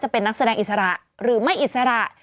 เป็นนักแสดงอิสระหรือไม่อิสระ